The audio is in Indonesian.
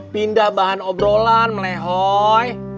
pindah bahan obrolan melehoy